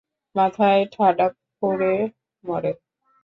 মাথায় ঠাডা পড়ে মরে।